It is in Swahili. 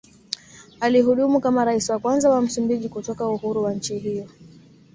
Alihudumu kama Rais wa kwanza wa Msumbiji kutoka uhuru wa nchi hiyo